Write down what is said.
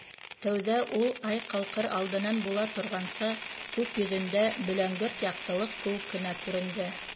Тәүҙә ул, ай ҡалҡыр алдынан була торғанса, күк йөҙөндә бөләңгерт яҡтылыҡ кеүек кенә күренде.